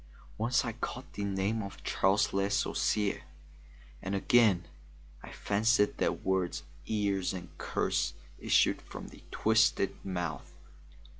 Once I caught the name of Charles Le Sorcier, and again I fancied that the words "years" and "curse" issued from the twisted mouth.